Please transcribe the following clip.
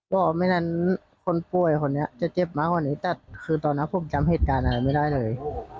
ว่าไม่นั้นคนป่วยคนนี้จะเจ็บมากกว่านี้แต่คือตอนนั้นผมจำเหตุการณ์อะไรไม่ได้เลย